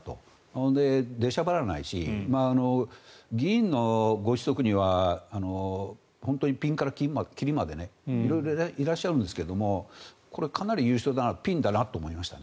それで、出しゃばらないし議員のご子息は本当にピンからキリまで色々いらっしゃるんですけどかなり優秀だなピンだなと思いました。